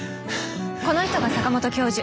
この人が坂本教授。